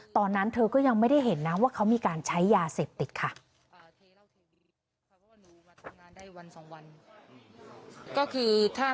ตอนนั้นเธอก็ยังไม่ได้เห็นนะว่าเขามีการใช้ยาเสพติดค่ะ